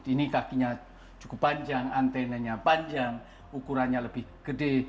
ini kakinya cukup panjang antenanya panjang ukurannya lebih gede